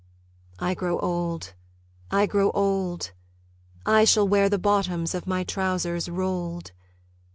I grow old... I grow old... I shall wear the bottoms of my trousers rolled.